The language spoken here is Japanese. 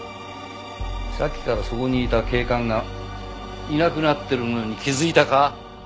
さっきからそこにいた警官がいなくなってるのに気づいたか？